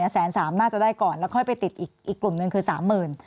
แสนสามน่าจะได้ก่อนแล้วค่อยไปติดอีกกลุ่มหนึ่งคือ๓๐๐๐บาท